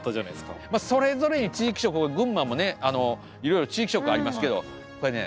まあそれぞれに地域色群馬もねあのいろいろ地域色ありますけどこれね